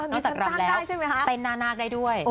นอกจากรำแล้วเต้นหน้านาคได้ด้วย